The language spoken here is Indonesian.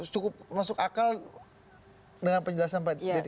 cukup masuk akal dengan penjelasan pak d